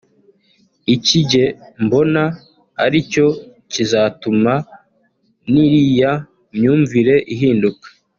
iki jye mbona ari cyo kizatuma n’iriya myumvire ihinduka